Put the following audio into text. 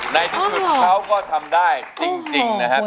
ในที่สุดเขาก็ทำได้จริงนะครับ